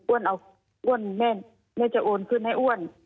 อ้วนแม่จะโอนขึ้นให้อ้วน